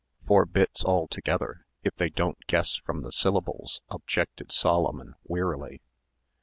Four bits altogether, if they don't guess from the syllables," objected Solomon wearily.